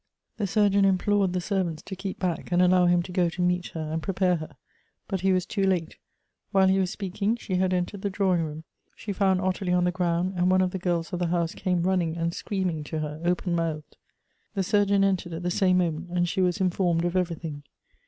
The surgeon implored the servants to keep back, and allow him to go to meet her and prepare her. But he was too late ; while he was speaking she had entered the drawing room. She found Ottilie on the ground, and one of the girls of the house came running and scream ing to her open mouthed. The surgeon entered at the same moment, and she was informed of everything.